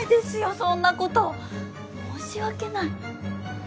そんなこと申し訳ない